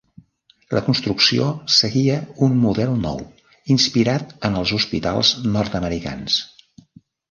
La construcció seguia un model nou, inspirat en els hospitals nord-americans.